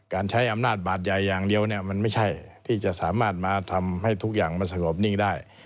ใช้อำนาจบาดใหญ่อย่างเดียวเนี่ยมันไม่ใช่ที่จะสามารถมาทำให้ทุกอย่างมันสงบนิ่งได้